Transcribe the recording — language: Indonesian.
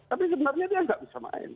tapi sebenarnya dia nggak bisa main